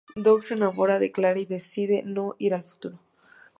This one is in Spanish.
Doc se enamora de Clara y decide no ir al futuro.